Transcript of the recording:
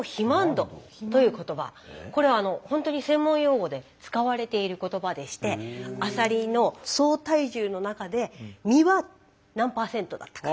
これはほんとに専門用語で使われている言葉でしてアサリの総体重の中で身は何％だったか。